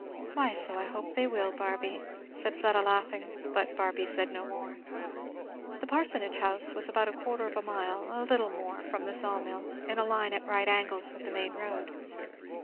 "Why, so I hope they will, Barby," said Fleda laughing. But Barby said no more. The parsonage house was about a quarter of a mile, a little more, from the saw mill, in a line at right angles with the main road.